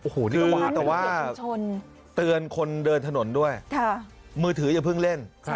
โอ้โหนี่แต่ว่าเตือนคนเดินถนนด้วยมือถืออย่าเพิ่งเล่น